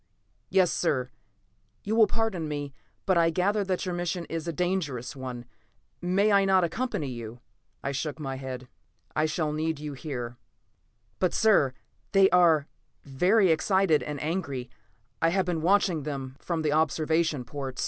"Yes, sir. You will pardon me, but I gather that your mission is a dangerous one. May I not accompany you?" I shook my head. "I shall need you here." "But, sir, they are very excited and angry; I have been watching them from the observation ports.